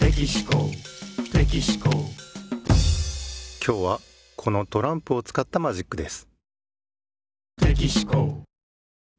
今日はこのトランプをつかったマジックです。